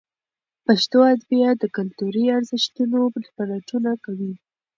پښتو ادبیات د کلتوري ارزښتونو پلټونه کوي.